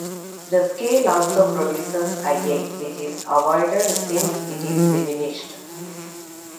The scale also produces ii, which is avoided since it is diminished.